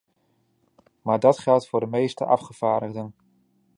Maar dat geldt voor de meeste afgevaardigden.